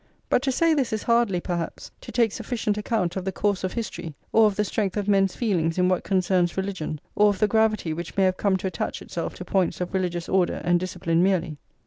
But to say this is hardly, perhaps, to take sufficient account of the course of history, or of the strength of men's feelings in what concerns religion, or of the gravity which may have come to attach itself to points of religious order and discipline merely.